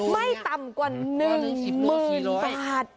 ไม่ต่ำกว่า๑หมื่นบาท